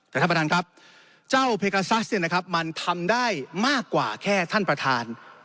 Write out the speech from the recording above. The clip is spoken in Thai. แต่ครับประธานครับเจ้าเพกะซัสมันทำได้มากกว่าแค่ท่านประธาน